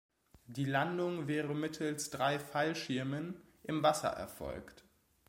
Die Landung wäre mittels drei Fallschirmen im Wasser erfolgt.